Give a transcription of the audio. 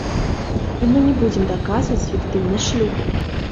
І мы не будзем даказваць фіктыўнасць шлюбу.